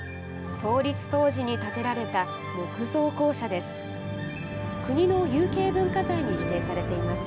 創立当時に建てられた木造校舎です。